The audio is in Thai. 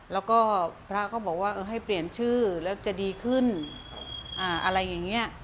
แล้วก็พระก็บอกว่าให้เปลี่ยนชื่อแล้วจะดีขึ้นอะไรอย่างนี้